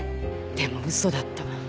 でも嘘だった。